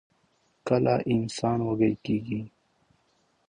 کله انسان وږۍ کيږي؟